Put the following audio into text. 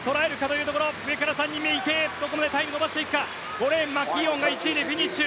５レーン、マキーオンが１位でフィニッシュ。